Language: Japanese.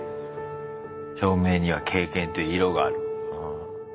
「照明には『経験』という色がある」。